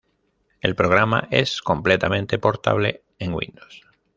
El programa es completamente portable en Windows.